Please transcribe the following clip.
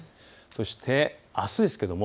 そしてあすです。